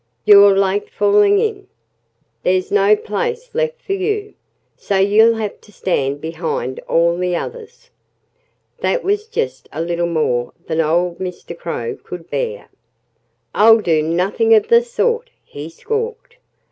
"You're late falling in. There's no place left for you. So you'll have to stand behind all the others." That was just a little more than old Mr. Crow could bear. "I'll do nothing of the sort!" he squawked.